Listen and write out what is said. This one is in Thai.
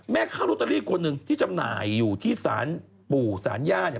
แม่ค้าโรตเตอรี่คนหนึ่งที่จำหน่ายอยู่ที่สารปู่สารย่าเนี่ย